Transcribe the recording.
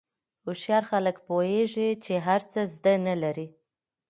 هوښیار خلک پوهېږي چې هر څه زده نه لري.